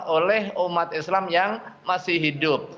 oleh umat islam yang masih hidup